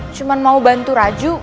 cuma mau bantu raju